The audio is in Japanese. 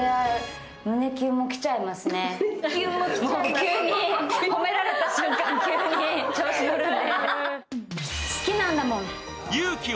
急に、褒められた瞬間、急に調子にのるんで。